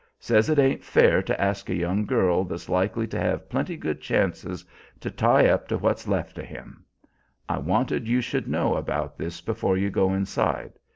Says it ain't fair to ask a young girl that's likely to have plenty good chances to tie up to what's left of him. I wanted you should know about this before you go inside.